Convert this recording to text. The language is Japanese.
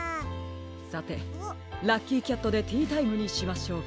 さてラッキーキャットでティータイムにしましょうか。